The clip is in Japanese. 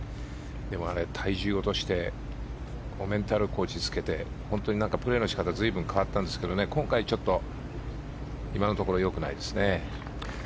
体重を落としてメンタルコーチつけて本当にプレーの仕方が随分変わったんですけど今回、今のところ良くないですね。